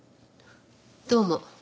どうも。